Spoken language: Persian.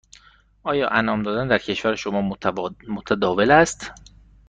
آیا انعام دادن در کشور شما متداول است؟